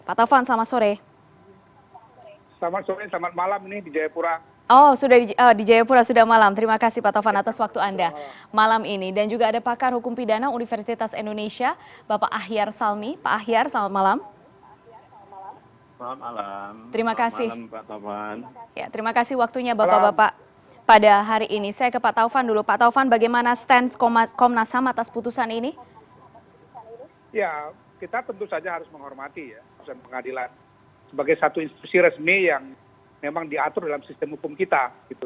kita tentu saja harus menghormati perusahaan pengadilan sebagai satu institusi resmi yang memang diatur dalam sistem hukum kita